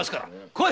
来い！